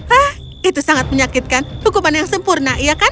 hah itu sangat menyakitkan hukuman yang sempurna iya kan